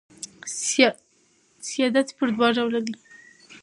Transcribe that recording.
سیادت پر دوه ډوله دئ.